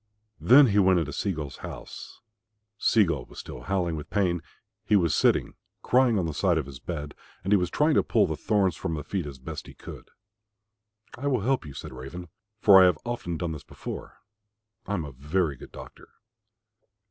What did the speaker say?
Then he went into Sea gull's house. Sea gull was still howling with pain; he was sitting crying on the side of his bed and he was trying to pull the thorns from his feet as best he could. "I will help you," said Raven, "for I have often done this before. I am a very good doctor."